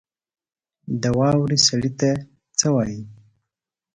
د واورې سړي ته څه وايي؟